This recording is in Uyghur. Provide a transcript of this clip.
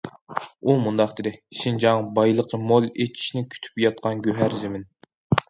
ئۇ مۇنداق دېدى: شىنجاڭ بايلىقى مول ئېچىشنى كۈتۈپ ياتقان گۆھەر زېمىن.